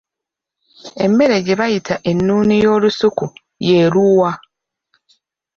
Emmere gye bayita ennuuni y’olusuku y'eruwa?